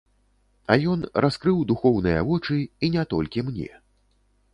А ён раскрыў духоўныя вочы і не толькі мне.